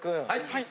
はい。